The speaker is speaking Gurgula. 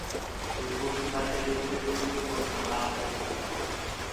ڪُڪَرو ڪي ٻآٽي ديکدي ديکدي اورو ڪآ لآه ڪڙگآ۔